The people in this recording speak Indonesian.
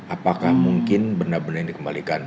apakah mungkin benda benda yang dikembalikan